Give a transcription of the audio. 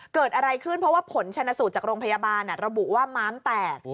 เกิดอะไรขึ้นเพราะว่าผลชนสูตรจากโรงพยาบาลระบุว่าม้ามแตก